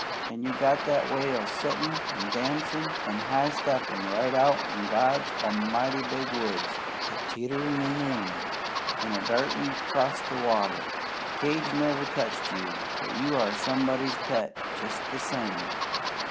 An' you got that way o' swingin' an' dancin' an' high steppin' right out in God A'mighty's big woods, a teeterin' in the wind, an' a dartin' 'crost the water. Cage never touched you! But you are somebody's pet jest the same.